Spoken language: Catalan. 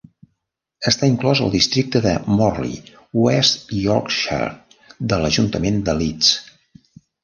Està inclòs al districte de Morley, West Yorkshire, de l'ajuntament de Leeds.